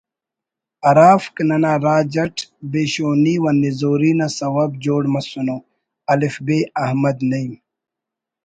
ہرافک ننا راج اٹ بے شونی و نزوری نا سوب جوڑ مسنو ”الف ب“ احمد